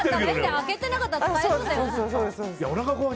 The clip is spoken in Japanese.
開けてなかったら大丈夫だよ。